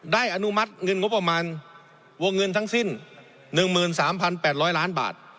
อนุมัติเงินงบประมาณวงเงินทั้งสิ้น๑๓๘๐๐ล้านบาท